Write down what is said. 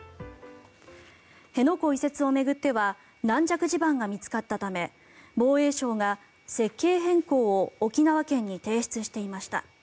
辺野古移設を巡っては軟弱地盤が見つかったため防衛省が設計変更を沖縄県に提出していました。